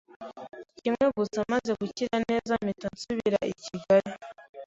kimwe gusa maze gukira neza mpita nsubira I Kigali,